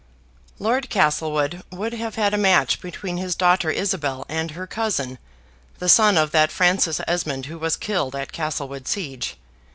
Lord Castlewood would have had a match between his daughter Isabel and her cousin, the son of that Francis Esmond who was killed at Castlewood siege.